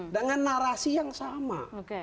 dengan narasi yang sama